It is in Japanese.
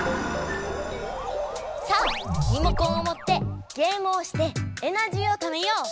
さあリモコンをもってゲームをしてエナジーをためよう！